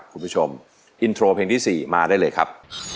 คุณผู้ชมอินโทรเพลงที่๔มาได้เลยครับ